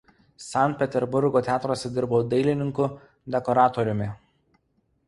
Sankt Peterburgo teatruose dirbo dailininku dekoratoriumi.